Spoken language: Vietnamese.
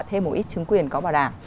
thêm một ít chứng quyền có bảo đảm